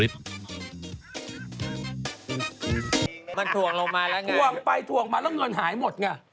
ถ่วงไปถ่วงมาแล้วเงินหายหมดไง